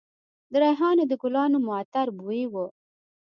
د ریحانو د ګلانو معطر بوی و